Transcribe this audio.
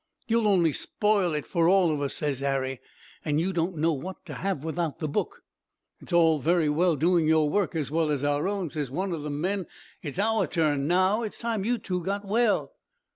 "'You'll only spoil it for all of us,' ses Harry, 'and you don't know what to have without the book.' "'It's all very well doing your work as well as our own,' ses one of the men. 'It's our turn now. It's time you two got well.'